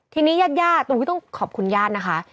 ที่นี้ญาติต้องขอบคุณญาตินะคะ